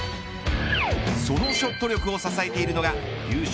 そのショット力を支えているのが優勝